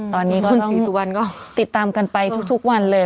ตอนนี้ก็ต้องติดตามกันไปทุกวันเลย